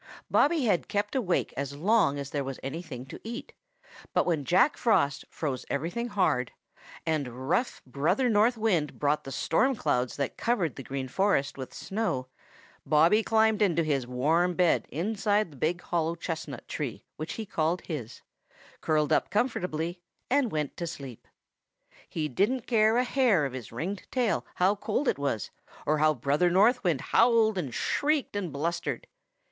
Bobby had kept awake as long as there was anything to eat, but when Jack Frost froze everything bard, and rough Brother North Wind brought the storm clouds that covered the Green Forest with snow, Bobby climbed into his warm bed inside the big hollow chestnut tree which he called his, curled up comfortably, and went to sleep. He didn't care a hair of his ringed tail how cold it was or how Brother North Wind howled and shrieked and blustered.